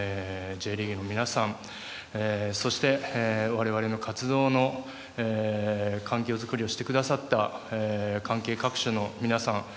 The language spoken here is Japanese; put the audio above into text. Ｊリーグの皆さんそして我々の活動の環境作りをしてくださった関係各所の皆さん